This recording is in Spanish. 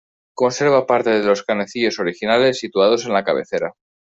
Conserva parte de los canecillos originales situados en la cabecera.